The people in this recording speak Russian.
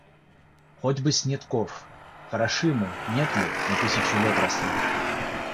Хоть бы Снетков... Хороши мы, нет ли, мы тысячу лет росли.